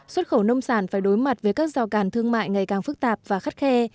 xuất khẩu nông sản phải đối mặt với các rào cản thương mại ngày càng phức tạp và khắt khe